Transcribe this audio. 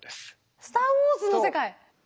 「スター・ウォーズ」の世界。